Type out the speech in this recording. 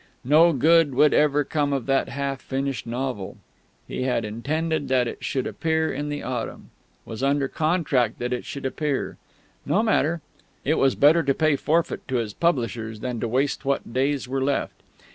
No good would ever come of that half finished novel. He had intended that it should appear in the autumn; was under contract that it should appear; no matter; it was better to pay forfeit to his publishers than to waste what days were left.